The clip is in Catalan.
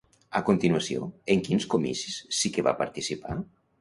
A continuació, en quins comicis sí que va participar?